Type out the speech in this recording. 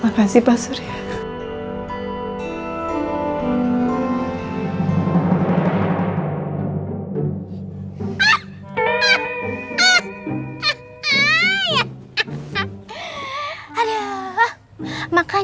makasih pak surya